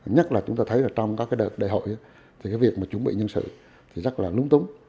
nhất là chúng ta thấy là trong các cái đợt đại hội thì cái việc mà chuẩn bị nhân sự thì rất là lúng túng